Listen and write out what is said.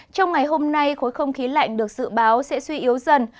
trong ngày hôm nay khối không khí lạnh được dự báo sẽ suy yếu dần